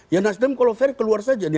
ya nasdem kalau fair keluar saja